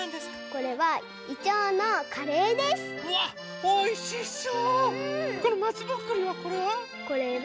このまつぼっくりはこれは？